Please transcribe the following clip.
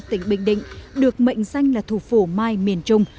tỉnh bình định được mệnh danh là thủ phủ mai miền trung